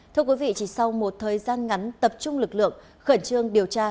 thưa quý vị chỉ sau một thời gian ngắn tập trung lực lượng khẩn trương điều tra